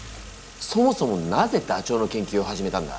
そもそもなぜダチョウの研究を始めたんだ？